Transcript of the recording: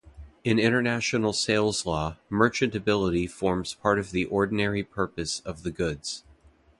In international sales law, merchantability forms part of the ordinary purpose of the goods.